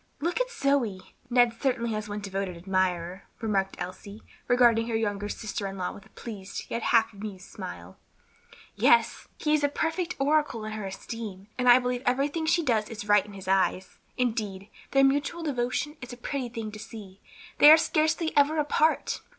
"Look at Zoe; Ned certainly has one devoted admirer," remarked Elsie, regarding her young sister in law with a pleased yet half amused smile. "Yes," said Violet, "he is a perfect oracle in her esteem; and I believe everything she does is right in his eyes; indeed, their mutual devotion is a pretty thing to see. They are scarcely ever apart."